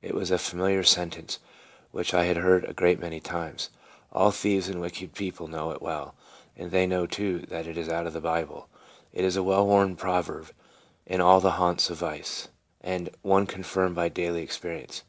It was a familiar sentence, which I had heard a great many times. All thieves and wicked people know it well, and they know, too, that it is out of the Bible. It is a well worn proverb in all the haunts of vice, and one confirmed by daily experience.